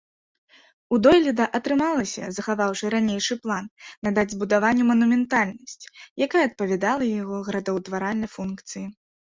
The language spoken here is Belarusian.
У дойліда атрымалася, захаваўшы ранейшы план, надаць збудаванню манументальнасць, якая адпавядала яго градаўтваральнай функцыі.